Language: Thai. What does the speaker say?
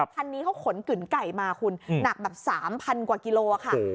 คันนี้เขาขนกึ่งไก่มาคุณหนักแบบ๓๐๐กว่ากิโลค่ะ